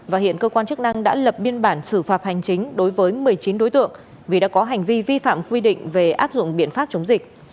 và hiện cơ quan chức năng đã lập biên bản xử phạt hành chính đối với một mươi chín đối tượng vì đã có hành vi vi phạm quy định về áp dụng biện pháp chống dịch